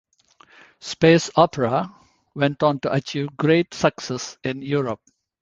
"Space Opera" went on to achieve great success in Europe.